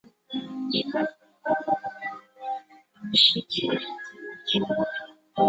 岳阳师范高等专科学校毕业。